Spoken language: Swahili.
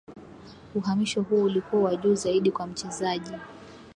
Uhamisho huo ulikuwa wa juu zaidi kwa mchezaji